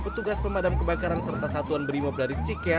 petugas pemadam kebakaran serta satuan brimop dari cikea